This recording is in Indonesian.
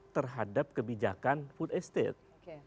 terhadap kebijakan food estate